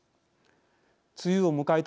梅雨を迎えた